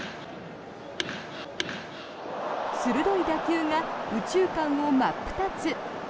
鋭い打球が右中間を真っ二つ。